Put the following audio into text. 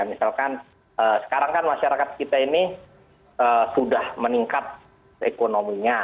misalkan sekarang kan masyarakat kita ini sudah meningkat ekonominya